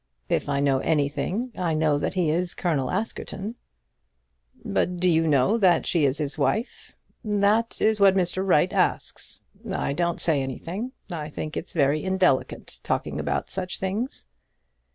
If I know anything, I know that he is Colonel Askerton." "But do you know that she is his wife? That is what Mr. Wright asks. I don't say anything. I think it's very indelicate talking about such things."